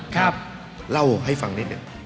ครับเล่าให้ฟังนิดหนึ่ง